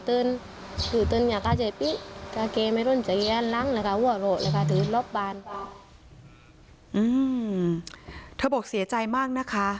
อื้อฮืมถ้าบอกเสียใจมากนะคะ